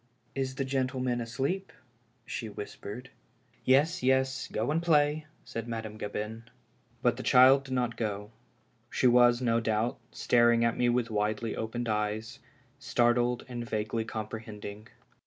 "Is the gentleman asleep? " she whispered. Yes, yes — go and play," said Madame Gabin. But the child did not go. She was, no doubt, staring at me with widely opened eyes, startled and vaguely comprehending.